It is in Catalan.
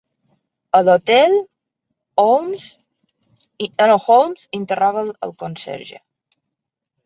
A l'hotel, Holmes interroga el conserge.